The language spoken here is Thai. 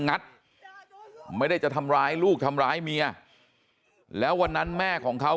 งัดไม่ได้จะทำร้ายลูกทำร้ายเมียแล้ววันนั้นแม่ของเขา